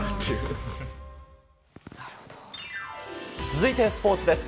続いて、スポーツです。